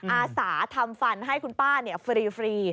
อาสาทำฟันให้คุณป้าฟรี